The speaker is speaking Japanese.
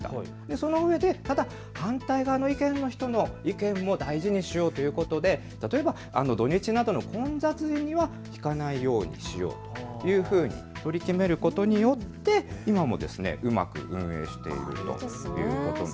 そのうえでただ反対側の意見も大事にしようということで例えば土日などの混雑時には弾かないようにしようというふうに取り決めることによって、今もうまく運営しているということなんです。